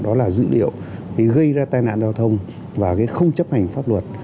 đó là dữ liệu gây ra tai nạn giao thông và cái không chấp hành pháp luật